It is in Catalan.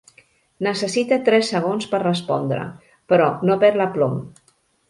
Necessita tres segons per respondre, però no perd l'aplom.